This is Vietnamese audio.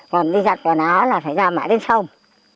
còn đi giặt của nó là phải làm mãi đến xong